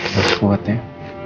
terus kuat ya